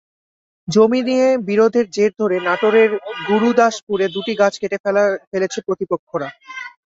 জমি নিয়ে বিরোধের জের ধরে নাটোরের গুরুদাসপুরে দুটি গাছ কেটে ফেলেছে প্রতিপক্ষরা।